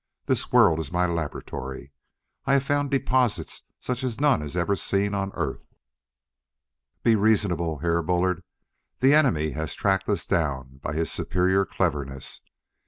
This world is my laboratory; I have found deposits such as none has ever seen on Earth. "Be reasonable, Herr Bullard. The enemy has tracked us down by his superior cleverness.